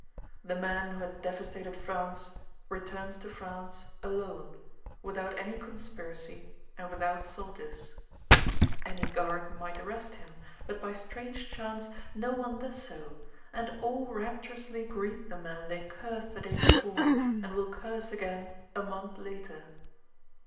The man who had devastated France returns to France alone, without any conspiracy and without soldiers. Any guard might arrest him, but by strange chance no one does so and all rapturously greet the man they cursed the day before and will curse again a month later.